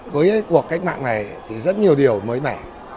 với cuộc cách mạng này thì rất nhiều điều mới mẻ